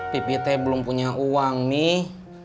pipi teh belum punya uang nih